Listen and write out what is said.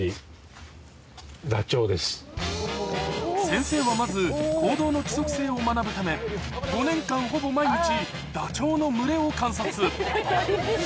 先生はまず行動の規則性を学ぶため５年間ほぼ毎日ダチョウの群れを観察